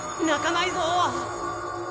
泣かないぞ！